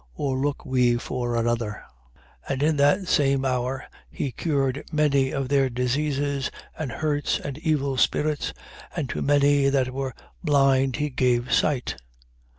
Or look we for another? 7:21. (And in that same hour, he cured many of their diseases and hurts and evil spirits: and to many that were blind he gave sight.)